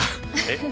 えっ？